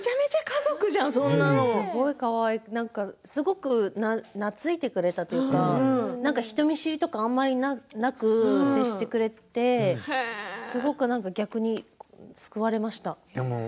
すごく懐いてくれたというか人見知りとかあまりなく接してくれてすごく逆に救われました。